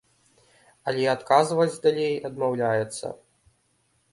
Але адказваць далей адмаўляецца.